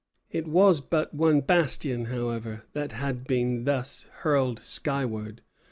It was but one bastion, however, that had been thus hurled skyward.